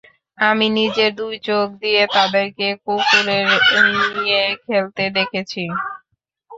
আমি নিজের দুই চোখ দিয়ে তাদেরকে কুকুরের নিয়ে খেলতে দেখেছি!